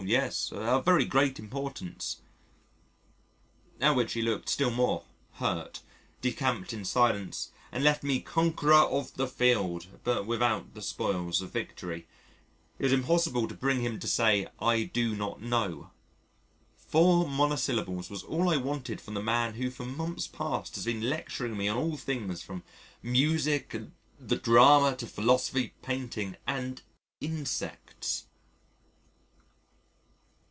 yes, of very great importance," at which he looked still more "hurt," decamped in silence and left me conqueror of the field but without the spoils of victory: it was impossible to bring him to say "I do not know" four mono syllables was all I wanted from the man who for months past has been lecturing me on all things from Music and the Drama to Philosophy, Painting and Insects.